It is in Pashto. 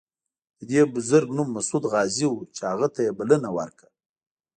د دې بزرګ نوم مسعود غازي و چې هغه ته یې بلنه ورکړه.